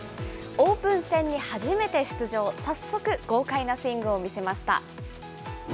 オープン戦に初めて出場、早速、豪快なスイングを見せました。